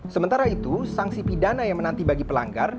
sementara itu sanksi pidana yang menanti bagi pelanggar